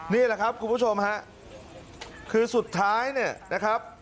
นี่แหละครับคุณผู้ชมฮะคือสุดท้ายเนี่ยนะครับ